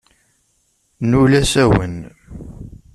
Nuli asawen.